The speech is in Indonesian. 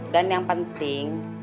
dan yang penting